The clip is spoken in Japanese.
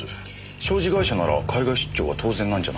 商事会社なら海外出張は当然なんじゃないですか？